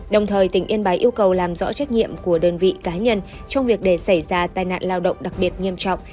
đồng thời tỉnh yên bái yêu cầu làm rõ trách nhiệm của đơn vị cá nhân trong việc để xảy ra tai nạn lao động đặc biệt nghiêm trọng